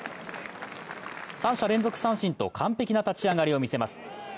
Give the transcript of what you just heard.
三者連続三振と完璧な立ち上がりを見せます。